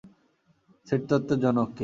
সেটতত্ত্বের জনক কে?